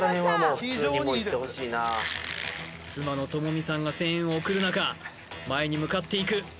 非常にいいです妻の友美さんが声援を送る中前に向かっていく